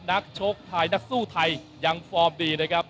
นักชกไทยนักสู้ไทยยังฟอร์มดีนะครับ